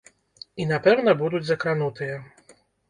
І напэўна будуць закранутыя.